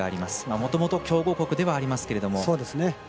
もともと強豪国ではありますけれども。